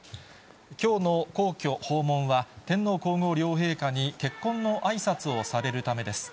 きょうの皇居訪問は、天皇皇后両陛下に結婚のあいさつをされるためです。